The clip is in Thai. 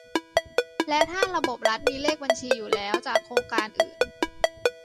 และถ้าระบบรัฐมีเลขบัญชีอยู่แล้วจากโครงการอื่น